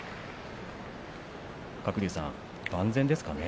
鶴竜さん、万全ですかね。